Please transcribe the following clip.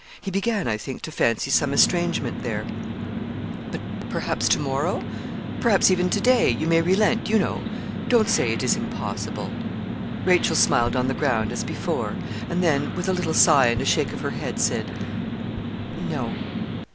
He began, I think, to fancy some estrangement there. 'But perhaps to morrow perhaps even to day you may relent, you know. Don't say it is impossible.' Rachel smiled on the ground, as before; and then, with a little sigh and a shake of her head, said 'No.'